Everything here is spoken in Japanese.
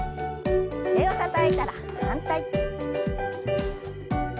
手をたたいたら反対。